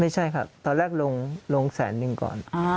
ไม่ใช่ครับตอนแรกลงแสนหนึ่งก่อน